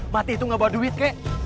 mati itu gak bawa duit kek